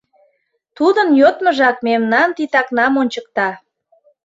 Тудын йодмыжак мемнан титакнам ончыкта.